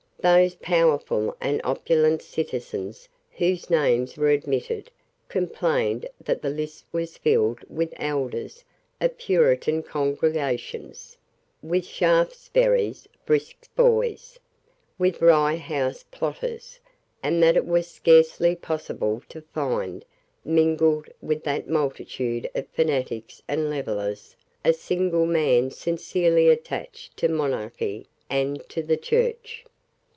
Those powerful and opulent citizens whose names were omitted complained that the list was filled with elders of Puritan congregations, with Shaftesbury's brisk boys, with Rye House plotters, and that it was scarcely possible to find, mingled with that multitude of fanatics and levellers, a single man sincerely attached to monarchy and to the Church.